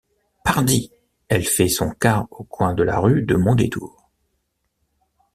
Pardi! elle fait son quart au coin de la rue de Mondétour.